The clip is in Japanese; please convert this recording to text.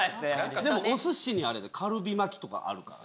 でもおすしにはカルビ巻きとかあるから。